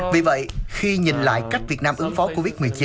vì vậy khi nhìn lại cách việt nam ứng phó covid một mươi chín